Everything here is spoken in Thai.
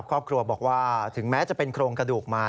ครอบครัวบอกว่าถึงแม้จะเป็นโครงกระดูกมา